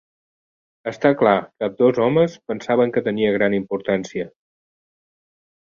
Està clar que ambdós homes pensaven que tenia gran importància.